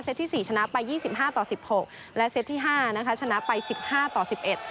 ที่สี่ชนะไปยี่สิบห้าต่อสิบหกและเซตที่ห้านะคะชนะไปสิบห้าต่อสิบเอ็ด